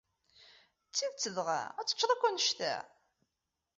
D tidet dɣa, ad teččeḍ akk annect-a?